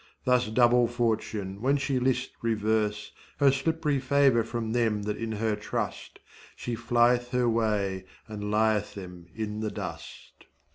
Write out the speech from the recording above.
14 Thus double15 Fortune, when she list reverse Her slipp'ry favour from them that in her trust, She fli'th her way and li'th them in the dust.